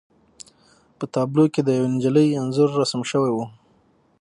په تابلو کې د یوې نجلۍ انځور رسم شوی و